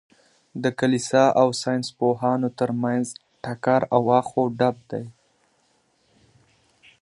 د کلیسا او ساینس پوهانو تر منځ ټکر او اخ و ډب دئ.